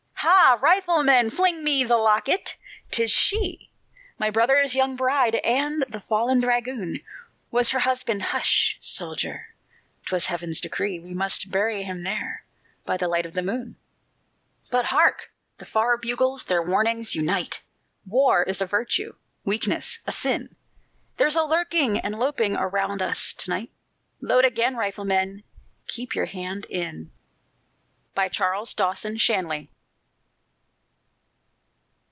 "Ha! rifleman, fling me the locket! 'tis she, My brother's young bride, and the fallen dragoon Was her husband Hush! soldier, 'twas Heaven's decree, We must bury him there, by the light of the moon! "But, hark! the far bugles their warnings unite; War is a virtue, weakness a sin; There's a lurking and loping around us to night Load again, rifleman, keep your hand in!" CHARLES DAWSON SHANLY.